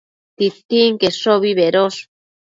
Titinqueshobi bedosh